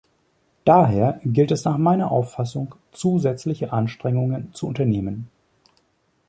Daher gilt es nach meiner Auffassung, zusätzliche Anstrengungen zu unternehmen.